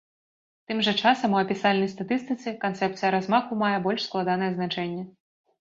Тым жа часам у апісальнай статыстыцы, канцэпцыя размаху мае больш складанае значэнне.